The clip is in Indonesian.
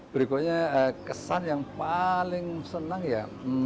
berikutnya kesan yang paling senang ya